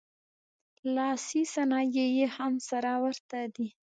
لاسي صنایع یې هم سره ورته دي